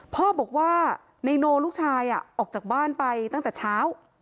พ่อบอกว่านายโนลูกชายออกจากบ้านไปตั้งแต่เช้า